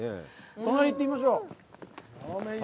隣に行ってみましょう。